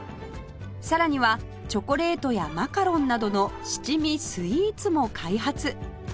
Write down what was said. さらにはチョコレートやマカロンなどの七味スイーツも開発